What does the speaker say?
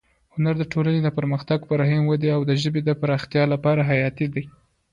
هنر د ټولنې د پرمختګ، فرهنګي ودې او ژبې د پراختیا لپاره حیاتي دی.